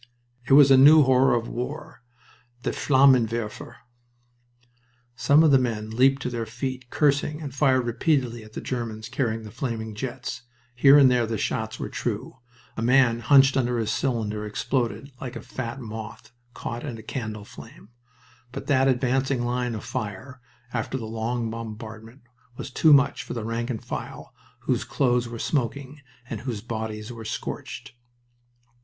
It was a new horror of war the Flammenwerfer. Some of the men leaped to their feet, cursing, and fired repeatedly at the Germans carrying the flaming jets. Here and there the shots were true. A man hunched under a cylinder exploded like a fat moth caught in a candle flame. But that advancing line of fire after the long bombardment was too much for the rank and file, whose clothes were smoking and whose bodies were scorched.